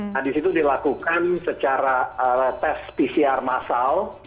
nah di situ dilakukan secara tes pcr masal